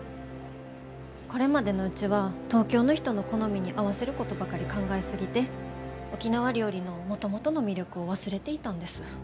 これまでのうちは東京の人の好みに合わせることばかり考え過ぎて沖縄料理のもともとの魅力を忘れていたんです。